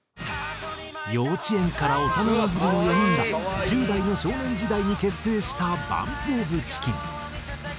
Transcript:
幼稚園から幼なじみの４人が１０代の少年時代に結成したＢＵＭＰＯＦＣＨＩＣＫＥＮ。